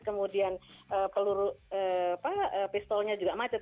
kemudian peluru pistolnya juga macet